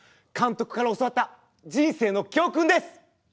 監督から教わった人生の教訓です。